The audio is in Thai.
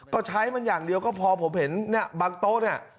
ก็ใช้มันอย่างเดียวก็พอผมเห็นเนี่ยบางโต๊ะเนี่ย